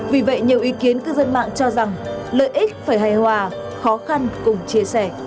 vì vậy nhiều ý kiến cư dân mạng cho rằng lợi ích phải hài hòa khó khăn cùng chia sẻ